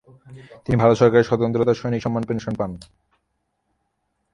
তিনি ভারত সরকারের স্বতন্ত্রতা সৈনিক সম্মান পেনশন পান।